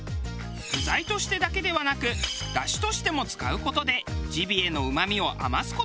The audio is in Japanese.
具材としてだけではなく出汁としても使う事でジビエのうまみを余す事なく利用。